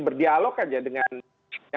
berdialog aja dengan